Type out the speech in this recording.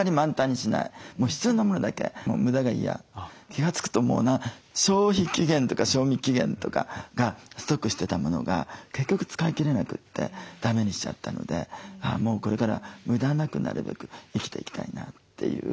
気が付くと消費期限とか賞味期限とかがストックしてたものが結局使い切れなくてだめにしちゃったのでもうこれから無駄なくなるべく生きていきたいなっていう。